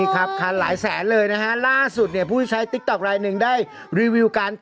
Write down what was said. กันเลยทีเดียว